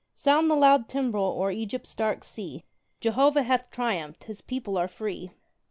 Sound the loud timbrel o'er Egypt's dark sea! Jehovah hath triumphed His people are free.